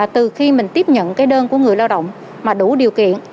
từ khi mình tiếp nhận cái đơn của người lao động mà đủ điều kiện